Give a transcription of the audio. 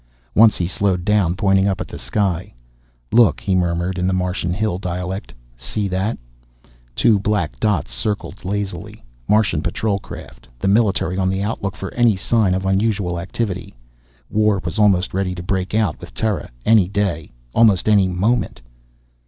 Once he slowed down, pointing up at the sky. "Look," he murmured, in the Martian hill dialect. "See that?" Two black dots circled lazily. Martian patrol craft, the military on the outlook for any sign of unusual activity. War was almost ready to break out with Terra. Any day, almost any moment.